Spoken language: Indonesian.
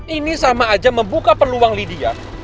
ini sama aja membuka peluang lydia